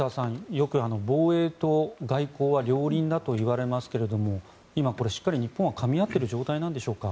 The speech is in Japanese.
よく防衛と外交は両輪だといわれますが今、これ、しっかり日本はかみ合っている状態なんでしょうか。